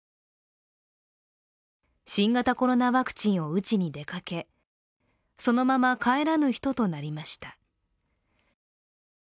新型コロナワクチンを打ちに出かけそのまま帰らぬ人となりました。